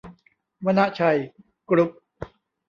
วนชัย กรุ๊ป